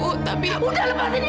udah lepasin ibu lepasin ibu